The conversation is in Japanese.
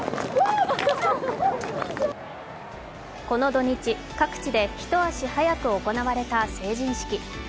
この土日、各地で一足早く行われた成人式。